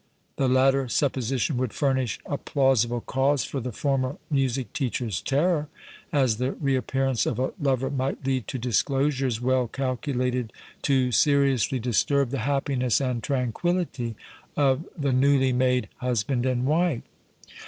The latter supposition would furnish a plausible cause for the former music teacher's terror, as the reappearance of a lover might lead to disclosures well calculated to seriously disturb the happiness and tranquillity of the newly made husband and wife.